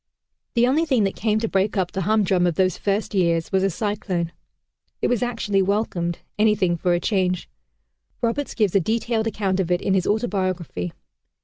The only thing that came to break up the humdrum of those first years was a cyclone. It was actually welcomed; anything for a change! Roberts gives a detailed account of it in his autobiography.